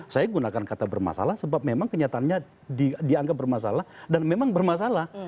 saya gunakan kata bermasalah sebab memang kenyataannya dianggap bermasalah dan memang bermasalah